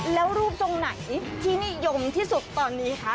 แล้วรูปตรงไหนที่นิยมที่สุดตอนนี้คะ